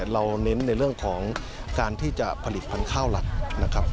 เน้นในเรื่องของการที่จะผลิตพันธุ์ข้าวหลักนะครับ